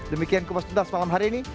demikian kupas tuntas malam hari ini